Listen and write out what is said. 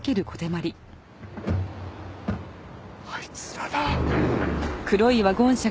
あいつらだ！